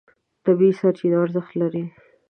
طبیعي سرچینې ارزښت لري.